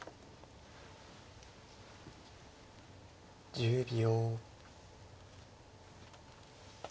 １０秒。